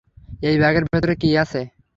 এই ব্যাগের ভেতরে কী আছে?